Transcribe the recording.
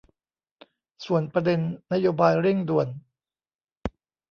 ส่วนประเด็นนโยบายเร่งด่วน